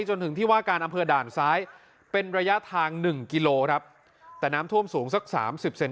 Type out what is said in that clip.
จนถึงที่ว่าการอำเภอด่านซ้ายเป็นระยะทางหนึ่งกิโลครับแต่น้ำท่วมสูงสักสามสิบเซน